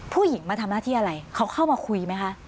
ผู้หญิงมาทำหน้าที่อะไรเขาเข้ามาคุยไหมคะ